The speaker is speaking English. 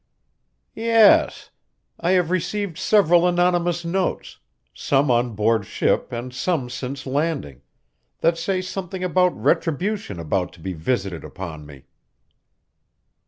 "Yes. I have received several anonymous notes, some on board ship and some since landing, that say something about retribution about to be visited upon me."